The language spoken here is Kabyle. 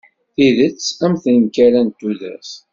Tidet am tenkerra n tudert.